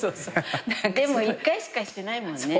でも１回しかしてないもんね。